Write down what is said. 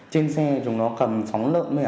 trên xe chúng nó cầm phóng lợn